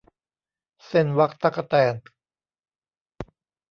เซ่นวักตั๊กแตน